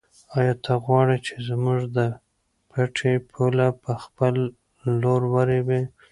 آیا ته غواړې چې زموږ د پټي پوله په خپل لور ورېبې؟